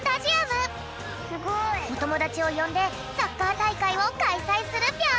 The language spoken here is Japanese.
おともだちをよんでサッカーたいかいをかいさいするぴょん！